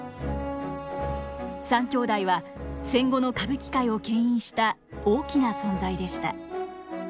三兄弟は戦後の歌舞伎界をけん引した大きな存在でした。